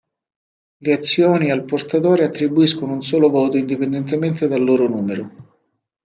Le azioni al portatore attribuiscono un solo voto indipendentemente dal loro numero.